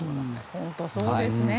本当にそうですね。